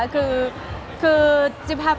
คือบอกเลยว่าเป็นครั้งแรกในชีวิตจิ๊บนะ